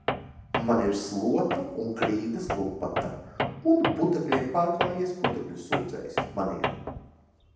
Man ir slota un grīdas lupata. Un putekļiem pārklājies putekļu sūcējs man ir.